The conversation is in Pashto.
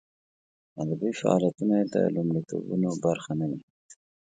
ادبي فعالیتونه یې د لومړیتوبونو برخه نه وي.